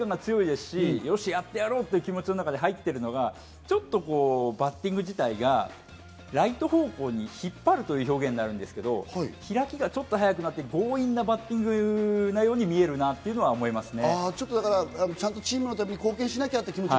彼は責任感が強いですし、よし、やってやろうという気持ちの中で入っているのがちょっとバッティング自体がライト方向に引っ張るという表現になるんですけど、開きがちょっと早くなって、強引なバッティングのように見えるなとは思いますね。